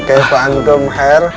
kefaanku mbak hair